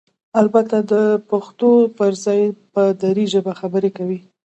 البته دپښتو پرځای په ډري ژبه خبرې کوي؟!